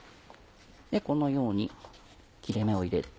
このように切れ目を入れて。